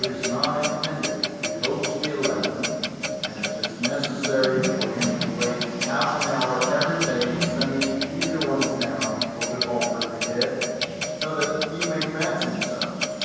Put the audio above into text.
is not intended to coach the eleven, and if it is necessary for him to waste half an hour every day sending easy ones down for the Hopper to hit, so that he may fancy himself.